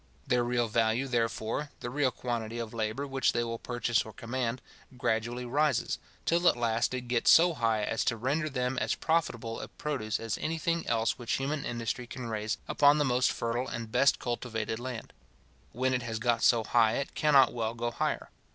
Their real value, therefore, the real quantity of labour which they will purchase or command, gradually rises, till at last it gets so high as to render them as profitable a produce as any thing else which human industry can raise upon the most fertile and best cultivated land. When it has got so high, it cannot well go higher.